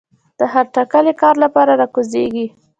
د هر ټاکلي کار لپاره را کوزيږي